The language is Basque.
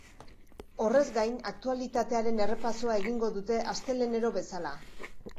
Horrez gain, aktualitatearen errepasoa egingo dute astelehenero bezala.